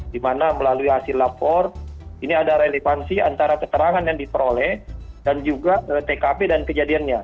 di mana melalui hasil lapor ini ada relevansi antara keterangan yang diperoleh dan juga tkp dan kejadiannya